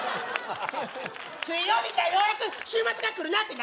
水曜日からようやく週末が来るなって